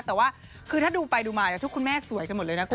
แต่ว่าคือถ้าดูไปดูมาทุกคุณแม่สวยกันหมดเลยนะคุณ